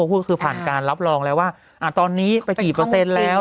พูดคือผ่านการรับรองแล้วว่าตอนนี้ไปกี่เปอร์เซ็นต์แล้ว